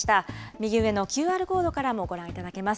右上のＱＲコードからもご覧いただけます。